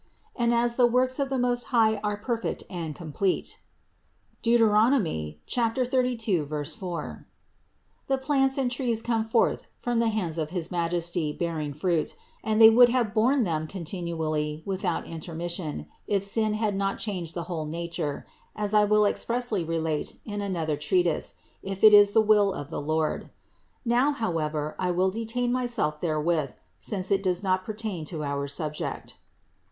And as the works of the Most High are per fect and complete (Deut. 32, 4), the plants and trees come forth from the hands of his Majesty bearing fruit, and they would have borne them continually without in termission, if sin had not changed the whole nature, as I will expressly relate in another treatise, if it is the will of the Lord; now however I will not detain myself therewith, since it does not pertain to our subject.